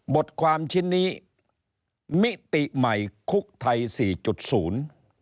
บทความชิ้นนี้มิติใหม่คุกไทย๔๐